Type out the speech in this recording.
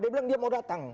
dia bilang dia mau datang